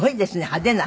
派手な。